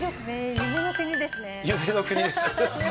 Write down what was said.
夢の国ですね。